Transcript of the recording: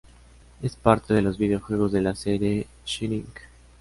Es parte de los videojuegos de la serie Shining.